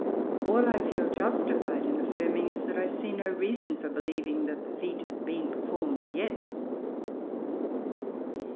All I feel justified in affirming is, that I see no reason for believing that the feat has been performed yet.